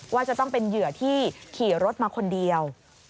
ว่าจะต้องเป็นเหยื่อที่ขี่รถมาคนเดียว